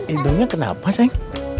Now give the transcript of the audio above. iduknya kenapa sayang